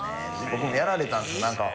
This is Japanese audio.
僕もやられたんですよ